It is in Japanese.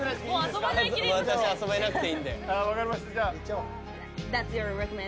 私遊べなくていいんで。